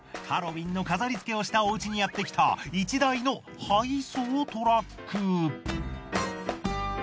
ハロウィンの飾り付けをしたおうちにやってきた１台の配送トラック。